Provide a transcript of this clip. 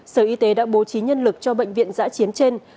sở y tế đã bố trí nhân lực cho bệnh viện giã chiến trên